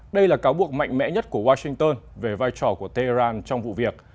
đây là cáo buộc mạnh mẽ nhất của washington về vai trò của tehran trong vụ việc